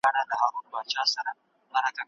نوی سیسټم د ادارې لخوا تایید سو.